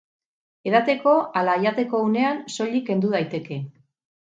Edateko ala jateko unean soilik kendu daiteke.